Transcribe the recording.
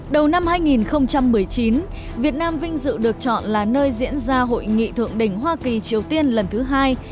đầu năm hai nghìn một mươi chín việt nam vinh dự được chọn là nơi diễn ra hội nghị thượng đỉnh hoa kỳ triều tiên lần thứ hai